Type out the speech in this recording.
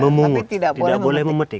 memungut tidak boleh memetik